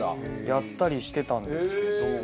やったりしてたんですけど。